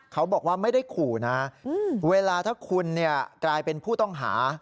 เขาบอกว่าไม่ได้ขู่นะเวลาถ้าคุณกลายเป็นผู้ต้องหา